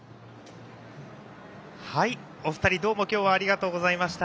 お二人、今日はどうもありがとうございました。